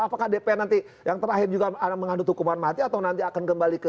apakah dpr nanti yang terakhir juga mengandung hukuman mati atau nanti akan kembali ke